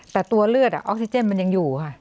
แต่ตัวเลือดออกซิเจนมันยังอยู่ค่ะ